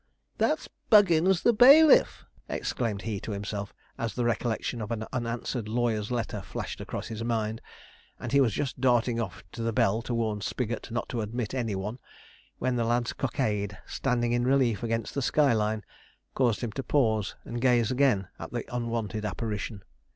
'That's Buggins the bailiff,' exclaimed he to himself, as the recollection of an unanswered lawyer's letter flashed across his mind; and he was just darting off to the bell to warn Spigot not to admit any one, when the lad's cockade, standing in relief against the sky line, caused him to pause and gaze again at the unwonted apparition.